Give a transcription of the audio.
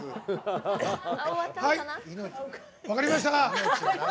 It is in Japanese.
分かりました！